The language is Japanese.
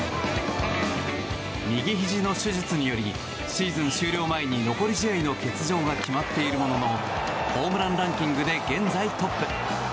右ひじの手術によりシーズン終了前に残り試合の欠場が決まっているもののホームランランキングで現在トップ。